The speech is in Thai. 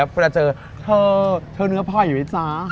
เมื่อเจอเธอเจอเนื้อไพรเลยสะ